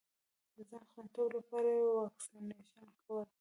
د ځان خوندیتوب لپاره یې واکسېنېشن کول.